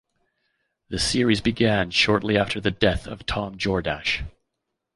The series began shortly after the death of Tom Jordache.